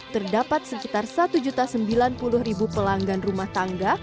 terdapat sekitar satu sembilan puluh pelanggan rumah tangga